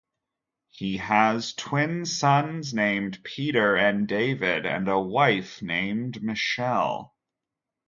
He has twin sons named Peter and David, and a wife named Michelle.